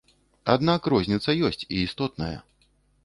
Аднак розніца ёсць, і істотная.